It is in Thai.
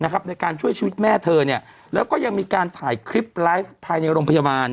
ที่ช่วยชีวิตแม่เธอนี่แล้วก็ยังมีการทายคลิปไลฟ์ถ่ายทางโรงพยาบาล